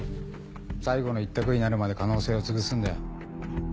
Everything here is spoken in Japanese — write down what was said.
最後の１択になるまで可能性をつぶすんだよ。